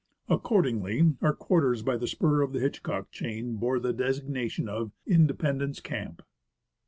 Accordingly, our quarters by the spur of the Hitchcock chain bore the designation of "Independence" Camp.